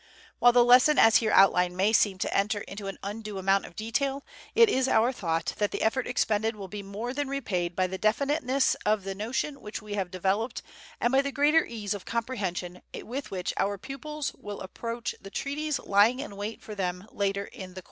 While the lesson as here outlined may seem to enter into an undue amount of detail, it is our thought that the effort expended will be more than repaid by the definiteness of the notion which we have developed and by the greater ease of comprehension with which our pupils will approach the treaties lying in wait for them later in the course.